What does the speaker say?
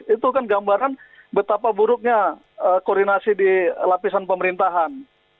itu kan gambaran betapa buruknya koordinasi di lapisan pemerintahan